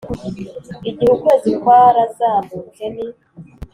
igihe ukwezi kwarazamutse ni